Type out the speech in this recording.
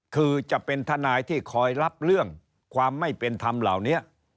คือจะเป็นทนายที่คอยรับเรื่องความไม่เป็นธรรมเหล่านี้